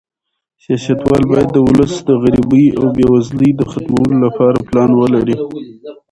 سیاستوال باید د ولس د غریبۍ او بې وزلۍ د ختمولو لپاره پلان ولري.